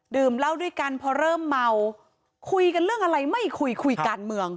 เหล้าด้วยกันพอเริ่มเมาคุยกันเรื่องอะไรไม่คุยคุยการเมือง